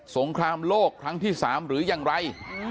งครามโลกครั้งที่๓หรือยังไร